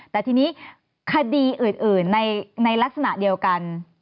แต่ทีนี้คดีอื่นในลักษณะเดียวกัน